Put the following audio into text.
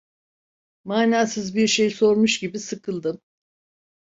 Manasız bir şey sormuş gibi sıkıldım.